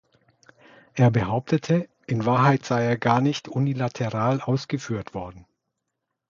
Er behauptete, in Wahrheit sei er gar nicht unilateral ausgeführt worden.